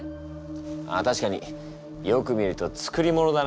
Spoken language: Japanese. ああ確かによく見ると作り物だな。